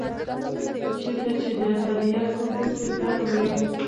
چېرته چې د ترياکو بوټي گڼ وي.